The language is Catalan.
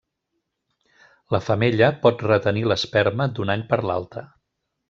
La femella pot retenir l'esperma d'un any per l'altre.